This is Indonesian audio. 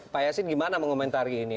pak yasin gimana mengomentari ini